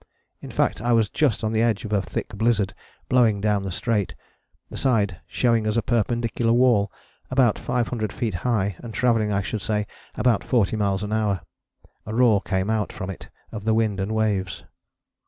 In fact I was just on the edge of a thick blizzard, blowing down the Strait, the side showing as a perpendicular wall about 500 feet high and travelling, I should say, about 40 miles an hour. A roar came out from it of the wind and waves.